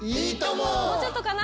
もうちょっとかな？